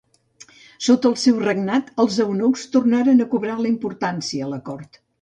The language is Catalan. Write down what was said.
Sota el seu regnat, els eunucs tornaren a cobrar importància a la cort.